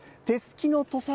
手すきの土佐